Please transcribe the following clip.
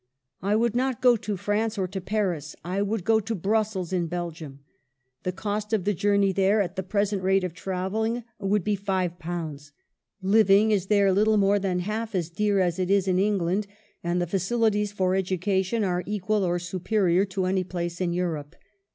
I would not go to France or to Paris. I would go to Brussels, in Belgium. The cost of the journey there, at the dearest rate of travel ling, would be £,*,; living is there little more than half as dear as it is in England, and the facilities for education are equal or superior to any place in Europe.